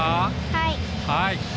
はい。